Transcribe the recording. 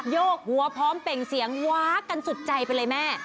โยกหัวพร้อมเปล่งเสียงว้ากันสุดใจไปเลยแม่